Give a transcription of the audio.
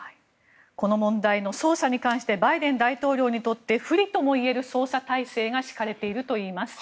この問題の捜査に関してバイデン大統領にとって不利ともいえる捜査体制が敷かれているといいます。